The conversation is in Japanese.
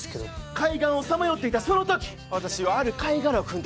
海岸をさまよっていたその時私はある貝殻を踏んでいた。